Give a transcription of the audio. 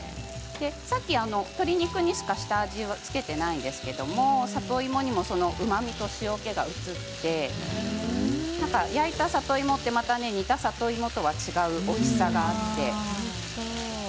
さっき鶏肉にしか下味を付けていませんが里芋にもそのうまみと塩けが移って焼いた里芋は煮た里芋と違うおいしさがあって。